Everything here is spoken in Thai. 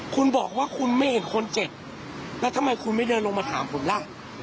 คุณบอกว่าคุณไม่เห็นคนเจ็บแล้วทำไมคุณไม่เดินลงมาถามผมล่ะ